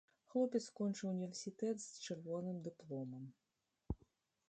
Хлопец скончыў універсітэт з чырвоным дыпломам.